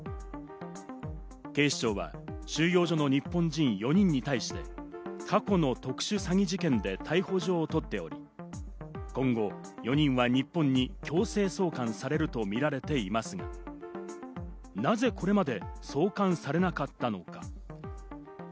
警視庁は収容所の日本人４人に対して、過去の特殊詐欺事件で逮捕状を取っており、今後４人は日本に強制送還されるとみられていますが、なぜこれまで送還されなかったのか？